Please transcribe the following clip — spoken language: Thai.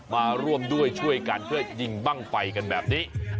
มาร่วมด้วยช่วยกันเพื่อยิงบ้างไฟกันแบบนี้